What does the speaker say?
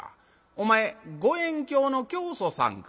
お前五円教の教祖さんか。